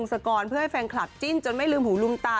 มีใจให้เต้ยพงศกรเพื่อให้แฟนคลับจิ้นจนไม่ลืมหูลุมตา